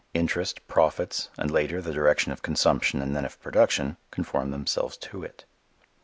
Interest, profits and, later, the direction of consumption and then of production, conform themselves to it.